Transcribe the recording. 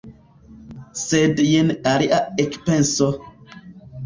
Sed jen alia ekpenso: